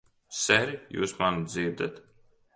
Ser, jūs mani dzirdat?